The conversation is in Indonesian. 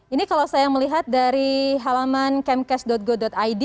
ini kalau saya melihat dari halaman kemkes go id